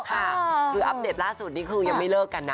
ค่ะคืออัปเดตล่าสุดนี้คือยังไม่เลิกกันนะ